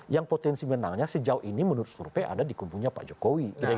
yang potensi menangnya sejauh ini menurut survei ada di kumpulnya pak jokowi